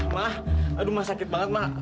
ma aduh ma sakit banget ma